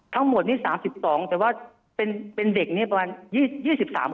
ทั้งหมดนี้๓๒แต่ว่าเป็นเด็กประมาณ